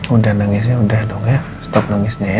udah nangisnya udah dong enggak stop nangisnya ya